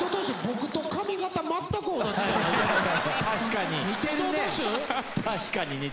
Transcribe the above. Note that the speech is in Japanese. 確かに。